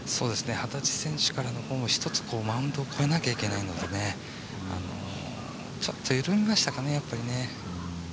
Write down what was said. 幡地選手から１つ、マウンドを越えなきゃいけないのでちょっと緩みましたかね。